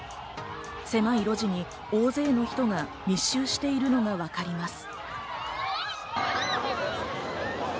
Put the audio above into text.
狭い路地に大勢の人が密集しているのがわかります。